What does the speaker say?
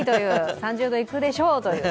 ３０度いくでしょうという。